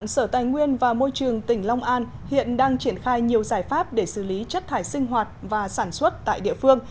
sở tài nguyên và môi trường tỉnh long an hiện đang triển khai nhiều giải pháp để xử lý chất thải sinh hoạt và sản xuất tại địa phương